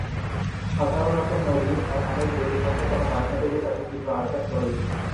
সাধারণত নদী, তার পানির গতিপথে কোনো বাধা পেলে তাতে তীব্র আঘাত করে।